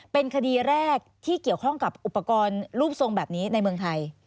เป็นคดีแรกที่เกี่ยวข้องกับอุปกรณ์รูปทรงแบบนี้ในเมืองไทย